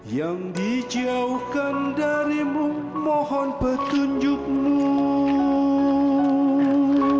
yang dijauhkan darimu mohon petunjukmu